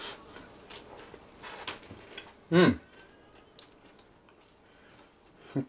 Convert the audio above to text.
うん！